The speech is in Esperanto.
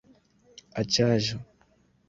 aĉaĵo